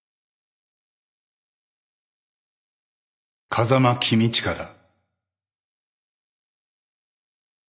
風間公親だ。